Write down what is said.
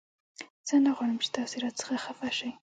زه نه غواړم چې تاسې را څخه خفه شئ